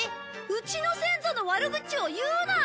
うちの先祖の悪口を言うな！